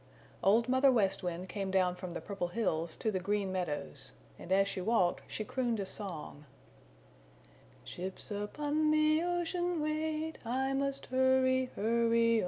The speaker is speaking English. Old Mother West Wind came down from the Purple Hills to the Green Meadows and as she walked she crooned a song: "Ships upon the ocean wait; I must hurry, hurry on!